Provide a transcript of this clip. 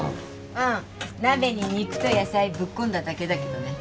うん鍋に肉と野菜ぶっ込んだだけだけどね。